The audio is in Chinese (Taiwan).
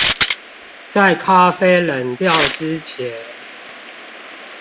在咖啡冷掉之前